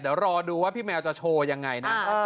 เดี๋ยวรอดูว่าพี่แมวจะโชว์ยังไงนะ